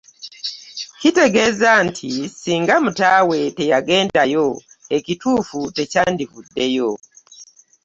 Kitegeeza nti ssinga Mutaawe teyagendayo ekituufu tekyandivuddeyo.